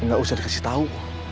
enggak usah dikasih tahu